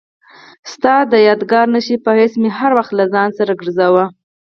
ستا د یادګار نښې په حیث مې هر وخت له ځان سره ګرځاوه.